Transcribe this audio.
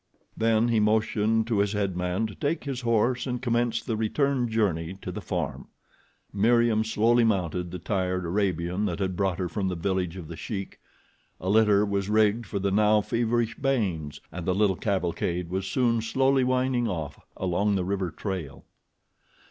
Then he motioned to his head man to take his horse and commence the return journey to the farm. Meriem slowly mounted the tired Arab that had brought her from the village of The Sheik. A litter was rigged for the now feverish Baynes, and the little cavalcade was soon slowly winding off along the river trail.